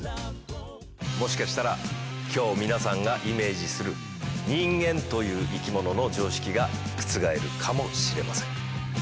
もしかしたらきょう、皆さんがイメージする人間という生き物の常識が覆るかもしれません。